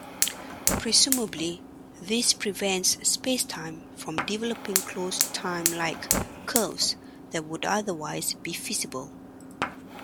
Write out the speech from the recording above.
Presumably, this prevents spacetime from developing closed time-like curves that would otherwise be feasible.